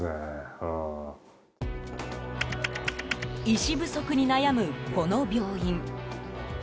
医師不足に悩む、この病院。